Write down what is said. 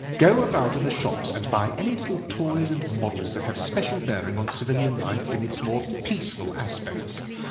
Go about in the shops and buy any little toys and models that have special bearing on civilian life in its more peaceful aspects.